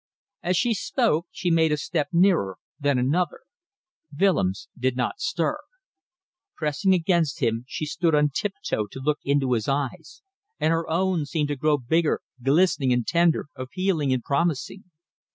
As she spoke she made a step nearer, then another. Willems did not stir. Pressing against him she stood on tiptoe to look into his eyes, and her own seemed to grow bigger, glistening and tender, appealing and promising.